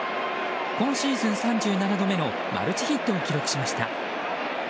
今シーズン３７度目のマルチヒットを記録しました。